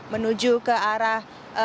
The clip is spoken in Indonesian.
menuju ke arah